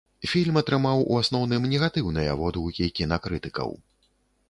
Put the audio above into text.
Фільм атрымаў у асноўным негатыўныя водгукі кінакрытыкаў.